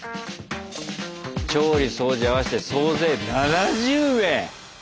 調理掃除合わせて総勢７０名！